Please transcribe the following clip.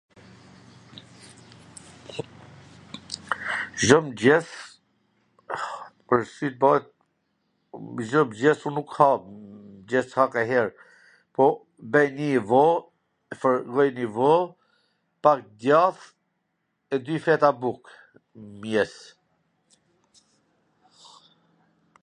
Cdo mngjes, pwr sy t ballit Cdo mngjes un nuk ha, mngjes ha kanjher, po bwj nji vo, fwrgoj nji vo, pak djath, e dy feta buk, mngjes,